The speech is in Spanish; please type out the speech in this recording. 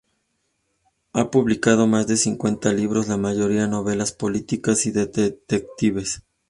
Ha publicado más de cincuenta libros, la mayoría novelas policiacas y de detectives.